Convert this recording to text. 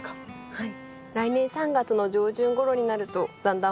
はい。